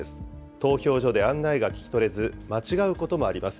投票所で案内が聞き取れず、間違うこともあります。